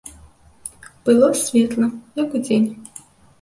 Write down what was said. Было светла, як удзень.